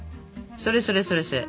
それそれそれそれ。